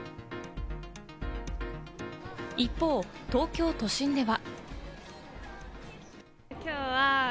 一方、東京都心では。